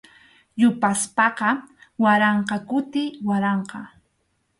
Yupaspaqa waranqa kuti waranqa.